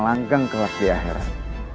langgang kelak di akhirat